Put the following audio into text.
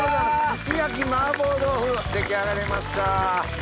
石焼き麻婆豆腐出来上がりました。